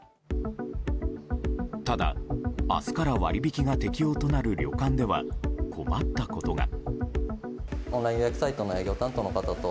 ただ、明日から割引が適用となる旅館では困ったことが。